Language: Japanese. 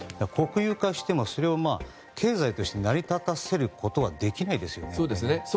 国有化しても経済として成り立たせることはできないですよね。